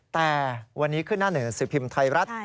แต่วันนี้ขึ้นหน้าหนึ่งสิบพิมพ์ไทยรัฐ